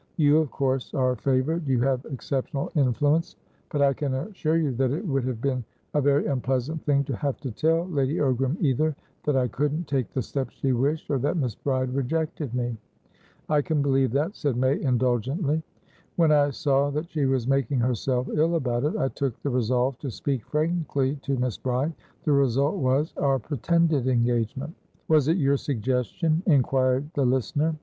"You, of course, are favoured. You have exceptional influence. But I can assure you that it would have been a very unpleasant thing to have to tell Lady Ogram either that I couldn't take the step she wished, or that Miss Bride rejected me." "I can believe that," said May indulgently. "When I saw that she was making herself ill about it, I took the resolve to speak frankly to Miss Bride. The result wasour pretended engagement." "Was it your suggestion?" inquired the listener.